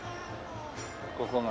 ここが。